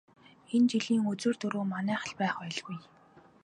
Энэ жилийн үзүүр түрүү манайх л байх байлгүй.